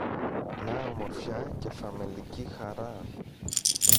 Να ομορφιά και φαμελική χαρά